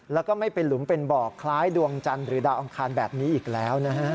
แล้วก็ไม่เป็นหลุมเป็นบ่อคล้ายดวงจันทร์หรือดาวอังคารแบบนี้อีกแล้วนะฮะ